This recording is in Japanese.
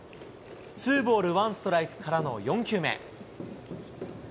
ツーボールワンストライクからの４球目。